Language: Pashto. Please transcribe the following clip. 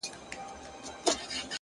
چي ته بېلېږې له خپل كوره څخه-